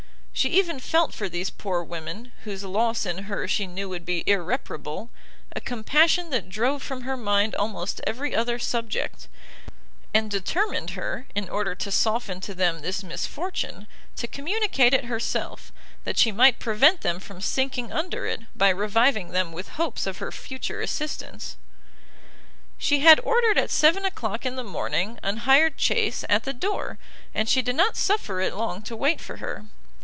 She even felt for these poor women, whose loss in her she knew would be irreparable, a compassion that drove from her mind almost every other subject, and determined her, in order to soften to them this misfortune, to communicate it herself, that she might prevent them from sinking under it, by reviving them with hopes of her future assistance. She had ordered at seven o'clock in the morning an hired chaise at the door, and she did not suffer it long to wait for her.